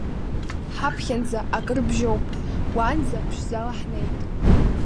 Ҳаԥхьанӡа акыр бжьоуп, уанӡа ԥшӡала ҳнеит…